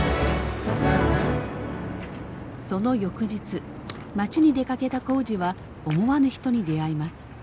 その翌日町に出かけた耕治は思わぬ人に出会います。